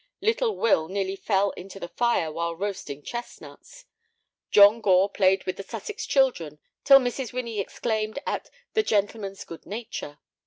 Little Will nearly fell into the fire while roasting chestnuts. John Gore played with the Sussex children till Mrs. Winnie exclaimed at "the gentleman's good nature."